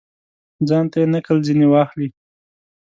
ځانته یې نقل ځني واخلي.